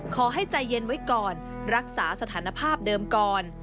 ขอให้ใจเย็นไว้ก่อนรักษาสถานภาพเดิมก่อน